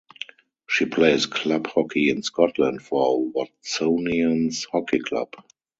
She plays club hockey in Scotland for Watsonians Hockey Club.